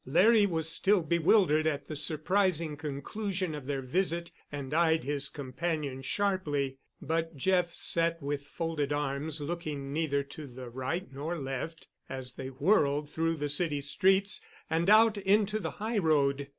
Larry was still bewildered at the surprising conclusion of their visit and eyed his companion sharply, but Jeff sat with folded arms, looking neither to the right nor left as they whirled through the city streets and out into the highroad.